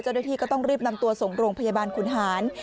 เจ้าหน้าที่ก็ต้องรีบนำตัวส่งโรงพยาบาลขุนหาร